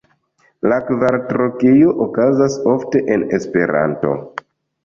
La kvartrokeo okazas ofte en Esperanto.